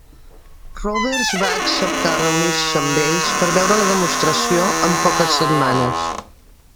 Roberts va acceptar reunir-se amb ells per veure la demostració en poques setmanes.